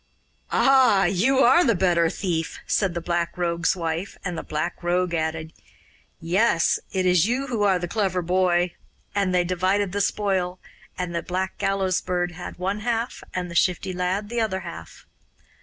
'Ah! you are the better thief,' said the Black Rogue's wife; and the Black Rogue added: 'Yes, it is you who are the clever boy'; and they divided the spoil and the Black Gallows Bird had one half and the Shifty Lad the other half.